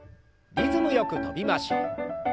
リズムよく跳びましょう。